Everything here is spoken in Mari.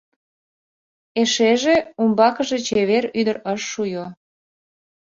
Эшеже... — умбакыже чевер ӱдыр ыш шуйо.